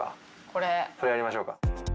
これやりましょうか。